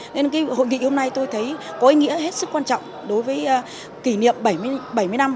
nên cái hội nghị hôm nay tôi thấy có ý nghĩa hết sức quan trọng đối với kỷ niệm bảy mươi năm